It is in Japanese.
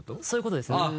そういうことですね。